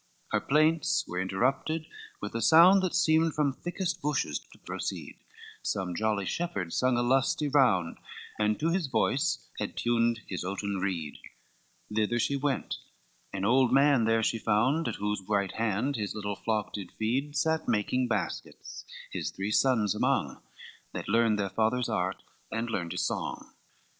VI Her plaints were interrupted with a sound, That seemed from thickest bushes to proceed, Some jolly shepherd sung a lusty round, And to his voice he tuned his oaten reed; Thither she went, an old man there she found, At whose right hand his little flock did feed, Sat making baskets, his three sons among, That learned their father's art, and learned his song.